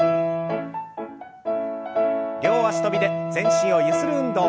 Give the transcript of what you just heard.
両脚跳びで全身をゆする運動。